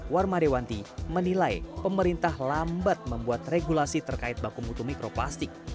warma dewanti menilai pemerintah lambat membuat regulasi terkait baku mutu mikroplastik